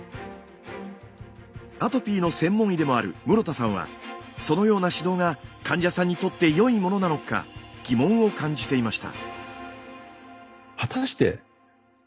アトピーの専門医でもある室田さんはそのような指導が患者さんにとってよいものなのか疑問を感じていました。